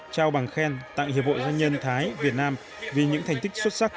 trao bằng khen tặng hiệp hội doanh nhân thái việt nam vì những thành tích xuất sắc